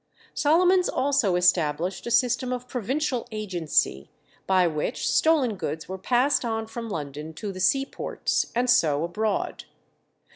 Solomons also established a system of provincial agency, by which stolen goods were passed on from London to the seaports, and so abroad.